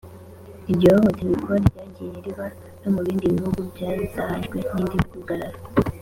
iryo hohoterwa ryagiye riba no mu bindi bihugu byazahajwe n’indi midugararo